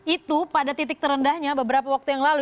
itu pada titik terendahnya beberapa waktu yang lalu